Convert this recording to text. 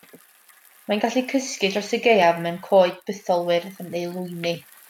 Mae'n gallu cysgu dros y gaeaf mewn coed bytholwyrdd neu lwyni.